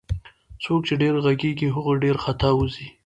څوک چي ډير ږغږي هغه ډير خطاوزي